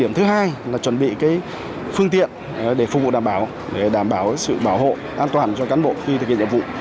điểm thứ hai là chuẩn bị phương tiện để phục vụ đảm bảo để đảm bảo sự bảo hộ an toàn cho cán bộ khi thực hiện nhiệm vụ